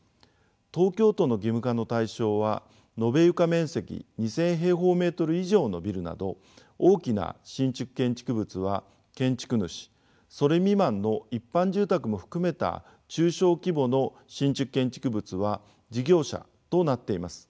東京都の義務化の対象は延べ床面積２，０００平方メートル以上のビルなど大きな新築建築物は建築主それ未満の一般住宅も含めた中小規模の新築建築物は事業者となっています。